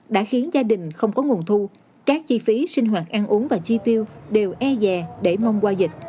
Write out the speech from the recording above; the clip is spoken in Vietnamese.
đã khiến gia đình không có nguồn thu các chi phí sinh hoạt ăn uống và chi tiêu đều e dè để mong qua dịch